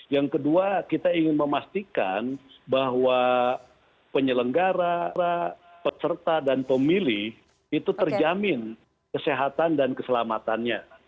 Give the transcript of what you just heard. yang kedua kita ingin memastikan bahwa penyelenggara peserta dan pemilih itu terjamin kesehatan dan keselamatannya